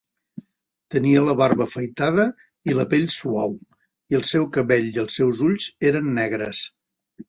Tenia la barba afaitada i la pell suau, i el seu cabell i els seus ulls eren negres.